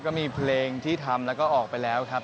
ก็มีเพลงที่ทำแล้วก็ออกไปแล้วครับ